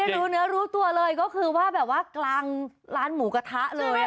ไม่ได้รู้เนื้อรู้ตัวเลยก็คือว่ากลางร้านหมูกะทะเลย